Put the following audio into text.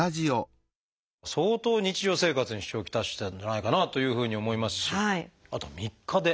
相当日常生活に支障を来してたんじゃないかなというふうに思いますしあと３日で。